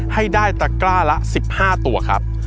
ให้ได้ตะกร้าละ๑๕ตัวครับ